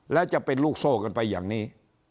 แล้วจะเป็นลูกโซ่กันไปอย่างนี้